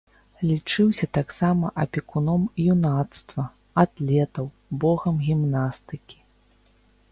Лічыўся таксама апекуном юнацтва, атлетаў, богам гімнастыкі.